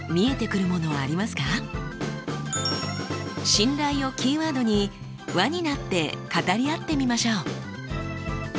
「信頼」をキーワードに輪になって語り合ってみましょう。